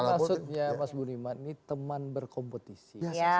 maksudnya mas budiman ini teman berkompetisi